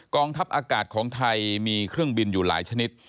ทัพอากาศของไทยมีเครื่องบินอยู่หลายชนิด